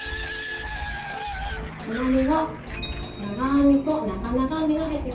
隣は長編みと長々編みが入ってきます。